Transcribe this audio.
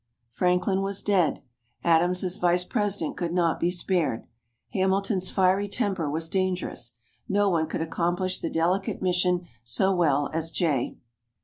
Franklin was dead; Adams as Vice President could not be spared; Hamilton's fiery temper was dangerous no one could accomplish the delicate mission so well as Jay.